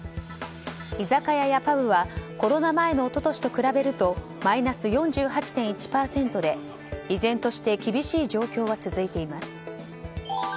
居酒屋やパブはコロナ前の一昨年と比べるとマイナス４８．１％で依然として厳しい状況は続いています。